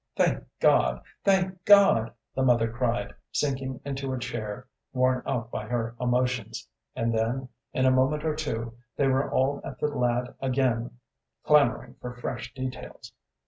"Thank God, thank God!" the mother cried, sinking into a chair, worn out by her emotions. And then, in a moment or two, they were all at the lad again, clamoring for fresh details.